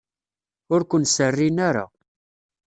Ur ken-serrin ara.